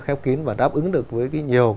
khép kín và đáp ứng được với nhiều